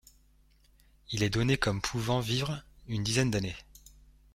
Il est donné comme pouvant vivre une dizaine d'années.